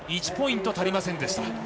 １ポイント足りませんでした。